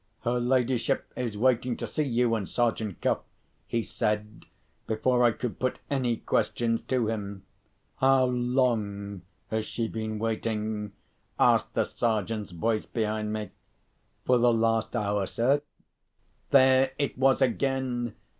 "Her ladyship is waiting to see you and Sergeant Cuff," he said, before I could put any questions to him. "How long has she been waiting?" asked the Sergeant's voice behind me. "For the last hour, sir." There it was again!